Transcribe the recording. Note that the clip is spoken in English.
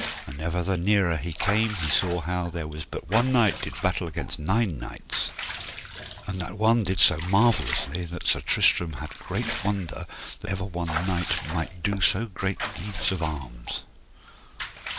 And ever the nearer he came he saw how there was but one knight did battle against nine knights, and that one did so marvellously that Sir Tristram had great wonder that ever one knight might do so great deeds of arms.